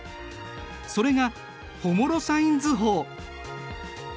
それがホモロサイン図法。